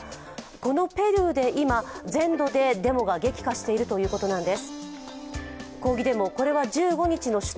このペルーで今、全土でデモが激化しているということなんです。